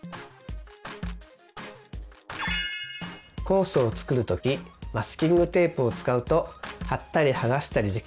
コースを作る時マスキングテープを使うと貼ったり剥がしたりできて便利。